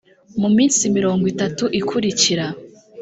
muminsi mirongo itatu ikurikira